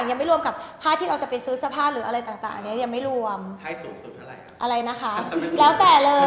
ยังไม่รวมทุกอย่างเฮียยยยยย่ให้ร่วมกับ